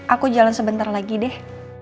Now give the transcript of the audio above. aku jalan sebentar lagi deh